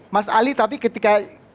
mas ali tapi ketika